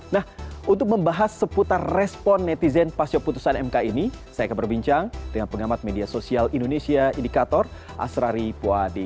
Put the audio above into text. nah untuk membahas seputar respon netizen pasca putusan mk ini saya akan berbincang dengan pengamat media sosial indonesia indikator asrari puadi